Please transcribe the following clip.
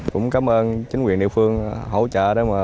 cũng cảm ơn chính quyền địa phương hỗ trợ